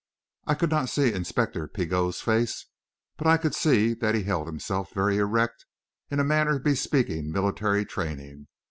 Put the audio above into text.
I could not see Inspector Pigot's face, but I could see that he held himself very erect, in a manner bespeaking military training.